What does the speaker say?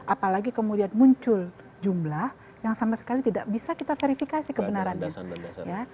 apalagi kemudian muncul jumlah yang sama sekali tidak bisa kita verifikasi kebenarannya